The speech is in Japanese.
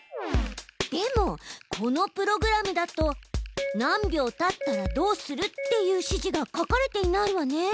でもこのプログラムだと「何秒たったらどうする」っていう指示が書かれていないわね。